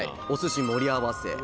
「お寿司盛り合わせ。